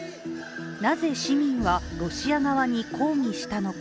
なぜ市民はロシア側に抗議したのか。